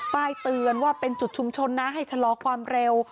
ป้ายเตือนว่าเป็นจุดชุมชนนะให้ชะลอความเร็ว